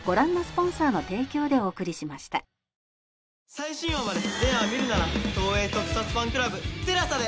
最新話まで全話見るなら東映特撮ファンクラブＴＥＬＡＳＡで。